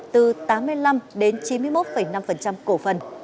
từ tám mươi năm đến chín mươi một năm cổ phần